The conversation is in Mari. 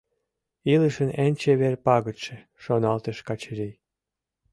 «Илышын эн чевер пагытше», — шоналтыш Качырий.